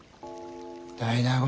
大納言。